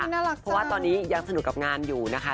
น่ารักเพราะว่าตอนนี้ยังสนุกกับงานอยู่นะคะ